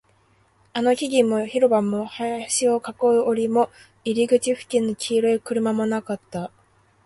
あの木々も、広場も、林を囲う柵も、入り口付近の黄色い車もなかった